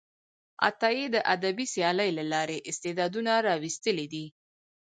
عطایي د ادبي سیالۍ له لارې استعدادونه راویستلي دي.